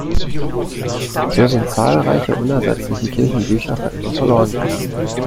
So sind zahlreiche unersetzliche Kirchenbücher für immer verloren gegangen.